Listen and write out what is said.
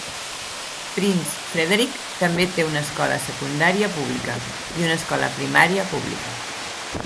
Prince Frederick també té una escola secundària pública i una escola primària pública.